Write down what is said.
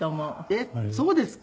えっそうですか？